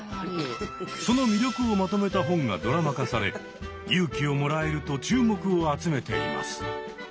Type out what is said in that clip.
その魅力をまとめた本がドラマ化され勇気をもらえると注目を集めています。